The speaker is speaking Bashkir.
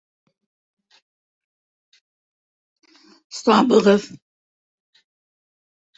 —Сабығыҙ...